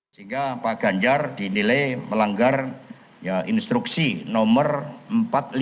sehingga pak ganjar dinilai melanggar instruksi nomor empat ribu lima ratus tiga garing internal garing dpp garing sepuluh garing dua ribu dua puluh dua